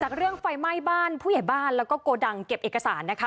เรื่องไฟไหม้บ้านผู้ใหญ่บ้านแล้วก็โกดังเก็บเอกสารนะคะ